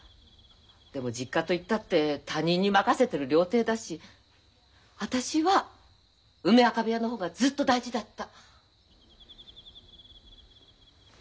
でも実家といったって他人に任せてる料亭だし私は梅若部屋の方がずっと大事だった。